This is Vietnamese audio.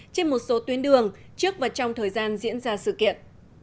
trên một số tuyến đường trước và trong thời gian diễn ra sự kiện